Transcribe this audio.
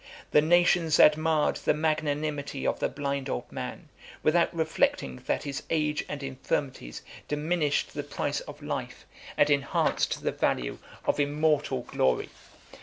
The nations admired the magnanimity of the blind old man, without reflecting that his age and infirmities diminished the price of life, and enhanced the value of immortal glory.